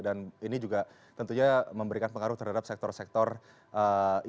dan ini juga tentunya memberikan pengaruh terhadap sektor ekonomi